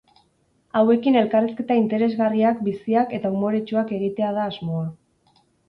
Hauekin elkarrizketa interesgarriak, biziak eta umoretsuak egitea da asmoa.